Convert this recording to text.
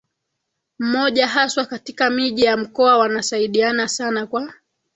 mmoja haswa katika miji ya mkoa Wanasaidiana sana kwa